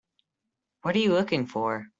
What are you looking for?